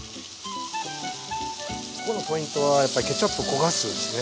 ここのポイントはやっぱりケチャップを焦がすんですね。